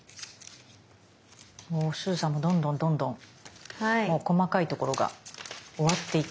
もうすずさんもどんどんどんどん細かいところが終わっていく。